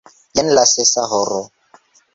je la sesa horo.